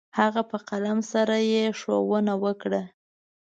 هغه په قلم سره يې ښوونه وكړه.